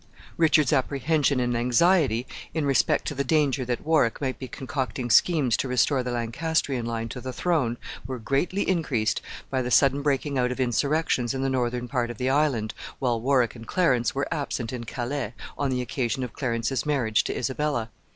Edward's apprehension and anxiety in respect to the danger that Warwick might be concocting schemes to restore the Lancastrian line to the throne were greatly increased by the sudden breaking out of insurrections in the northern part of the island, while Warwick and Clarence were absent in Calais, on the occasion of Clarence's marriage to Isabella.